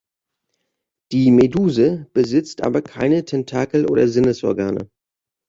Die Meduse besitzt aber keine Tentakel oder Sinnesorgane.